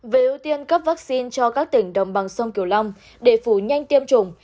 về ưu tiên cấp vaccine cho các tỉnh đồng bằng sông kiều long để phủ nhanh tiêm chủng